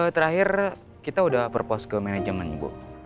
terakhir kita udah purpose ke manajemen bu